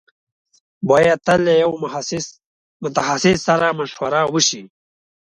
بايد تل له يوه متخصص سره مشوره وشي.